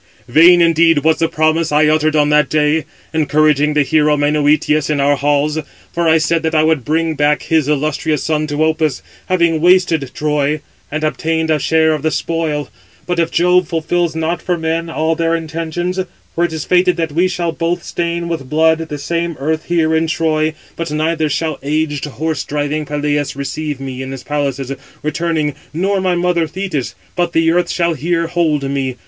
vain indeed was the promise I uttered on that day, encouraging the hero Menœtius in our halls; for I said that I would bring back his illustrious son to Opus, having wasted Troy, and obtained a share of the spoil. But Jove fulfils not for men all their intentions; for it is fated that we shall both stain with blood the same earth here in Troy; but neither shall aged horse driving Peleus receive me in his palaces, returning, nor my mother Thetis, but the earth shall here hold me.